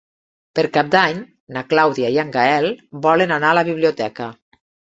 Per Cap d'Any na Clàudia i en Gaël volen anar a la biblioteca.